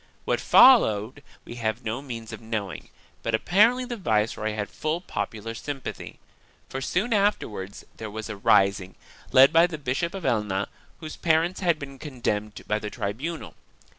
What followed we have no means of knowing, but apparently the viceroy had full popular sympathy, for soon afterwards there was a rising, led by the Bishop of Elna, whose parents had been con demned by the tribunal.